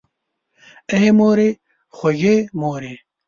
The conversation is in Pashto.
آی مورې خوږې مورې!